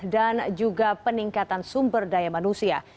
dan juga peningkatan sumber daya manusia